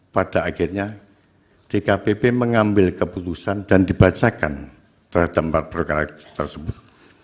pada akhirnya dkpp mengambil keputusan dan dibacakan terhadap empat perkara tersebut